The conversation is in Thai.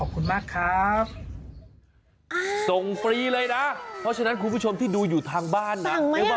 เพราะฉะนั้นคุณผู้ชมที่ดูอยู่ทางบ้านนะ